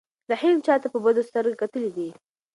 رحیم چاته په بدو سترګو کتلي دي؟